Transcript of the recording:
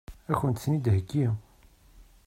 Ad kent-ten-id-theggi?